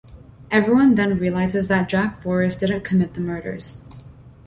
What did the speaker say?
Everyone then realizes that Jack Forrest didn't commit the murders.